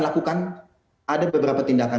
lakukan ada beberapa tindakan